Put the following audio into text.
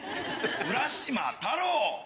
「浦島太郎」。